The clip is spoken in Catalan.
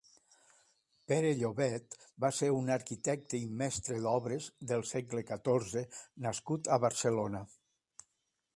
Pere Llobet va ser un arquitecte i mestre d'obres del segle catorze nascut a Barcelona.